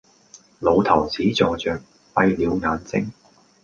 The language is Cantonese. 老頭子坐着，閉了眼睛，